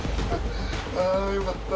あよかった。